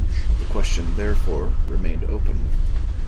The question therefore remained open.